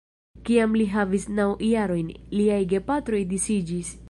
Kiam li havis naŭ jarojn, liaj gepatroj disiĝis.